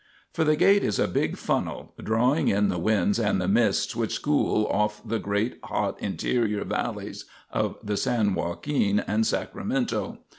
For the Gate is a big funnel, drawing in the winds and the mists which cool off the great, hot interior valleys of the San Joaquin and Sacramento.